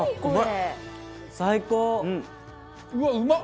うわっ、うまっ！